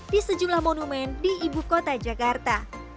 di sejumlah monumen di ibu kota jakarta